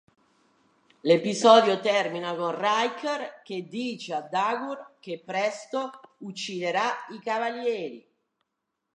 L'episodio termina con Riker che dice a Dagur che presto ucciderà i cavalieri.